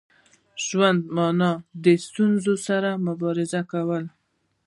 ژوند مانا د ستونزو سره مبارزه کول.